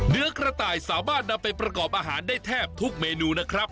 เนื้อกระต่ายสามารถนำไปประกอบอาหารได้แทบทุกเมนูนะครับ